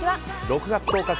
６月１０日